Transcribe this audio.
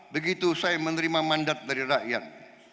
begitu saya menerima mandat dari rakyat